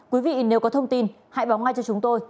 quý vị nếu có thông tin hãy báo ngay cho chúng tôi